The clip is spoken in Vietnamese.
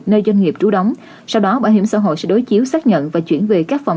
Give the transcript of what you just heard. nơi doanh nghiệp trú đóng sau đó bảo hiểm xã hội sẽ đối chiếu xác nhận và chuyển về các phòng